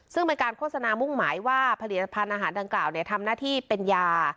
ซึ่งเป็นการโฆษณามุ่งหมายว่าผลิตภัณฑ์อาหารดังกล่าวทำหน้าที่เป็นยา